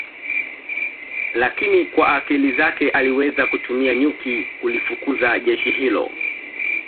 lakini kwa akili zake aliweza kutumia nyuki kulifukuza jeshi hilo